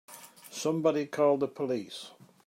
Somebody call the police!